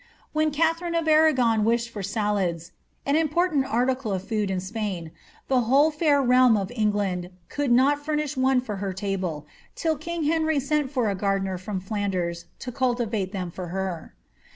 When Katharine of Anwoa wished for salads (an important article of food in Spain), the whole fidr realm of England could not furnish one for her table, till king Heoiy sent for a gardener from Flanders to cultivate them for her.